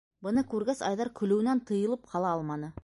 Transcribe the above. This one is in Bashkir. Быны күргәс, Айҙар көлөүенән тыйылып ҡала алманы.